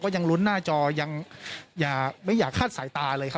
ยังลุ้นหน้าจอยังไม่อยากคาดสายตาเลยครับ